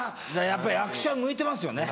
やっぱ役者向いてますよね。